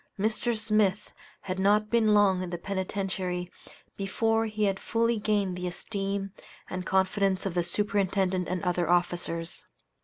Mr. Smith had not been long in the Penitentiary before he had fully gained the esteem and confidence of the Superintendent and other officers.